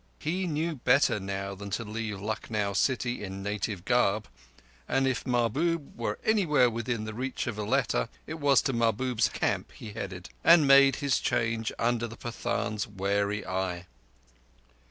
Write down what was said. He knew better now than to leave Lucknow city in native garb, and if Mahbub were anywhere within reach of a letter, it was to Mahbub's camp he headed, and made his change under the Pathan's wary eye.